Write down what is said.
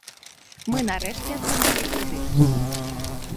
Мы нарэшце атрымалі крэдыт.